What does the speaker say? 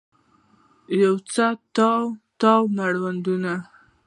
یوڅو تاو، تاو مړوندونه